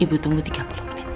ibu tunggu tiga puluh menit